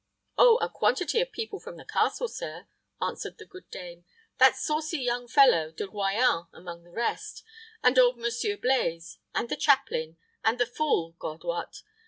"Oh, a quantity of people from the castle, sir," answered the good dame; "that saucy young fellow De Royans among the rest, and old Monsieur Blaize, and the chaplain, and the fool, God wot!